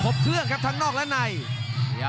กรรมการเตือนทั้งคู่ครับ๖๖กิโลกรัม